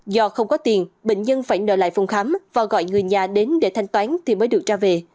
do không có tiền bệnh nhân phải nợ lại phòng khám và gọi người nhà đến để thanh toán thì mới được ra về